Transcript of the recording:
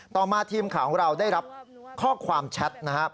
ต่อมาทีมข่าวของเราได้รับข้อความแชทนะครับ